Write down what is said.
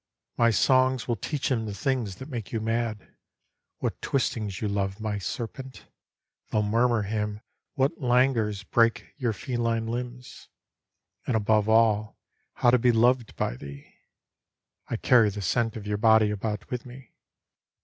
My songs will teach him the things that make you mad. What twistings you love, my serpent, They^ll murmur him what languors break your feline limbs. And above all how to be loved by thee. I carry the scent of your body about with me.